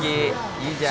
いいじゃん」